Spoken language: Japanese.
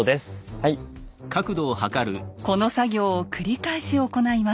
この作業を繰り返し行います。